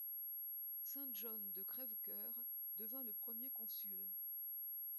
St John de Crèvecœur devint le premier consul.